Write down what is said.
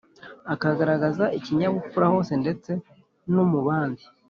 akagaragaza ikinyabupfura hose ndetse numubandi